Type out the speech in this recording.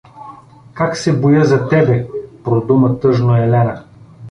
— Как се боя за тебе… — продума тъжно Елена.